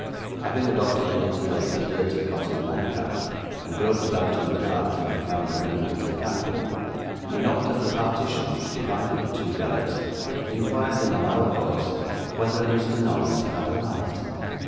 Having adopted in its place a dirty cotton nightcap, and groped about in the dark till he found a remnant of candle, he knocked at the partition which divided the two garrets, and inquired, in a loud voice, whether Mr. Noggs had a light.